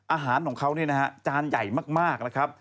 อาหารของเขาจานใหญ่มากนะครับ